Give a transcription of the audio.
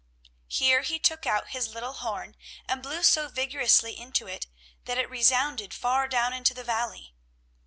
Here he took out his little horn and blew so vigorously into it, that it resounded far down into the valley.